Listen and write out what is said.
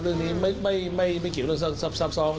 เรื่องนี้ไม่เกี่ยวเรื่องซับซ้อน